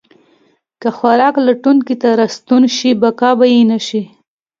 که خوراک لټونکي ته راستون شي، بقا به یې نه شي.